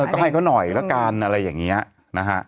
ก็ให้เขาหน่อยละกันอะไรอย่างนี้นะฮะ